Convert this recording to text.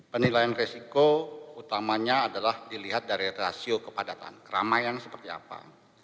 penilaian resiko utamanya adalah dilihat dari rasio kepadatan keramaian seperti apa